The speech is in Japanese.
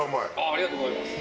ありがとうございます。